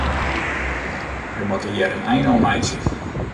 Wy moatte hjir in ein oan meitsje.